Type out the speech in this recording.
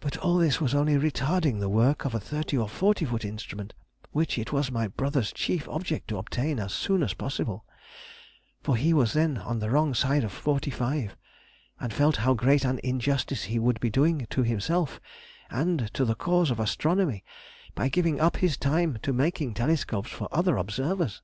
But all this was only retarding the work of a thirty or forty foot instrument, which it was my brother's chief object to obtain as soon as possible; for he was then on the wrong side of forty five, and felt how great an injustice he would be doing to himself and to the cause of Astronomy by giving up his time to making telescopes for other observers.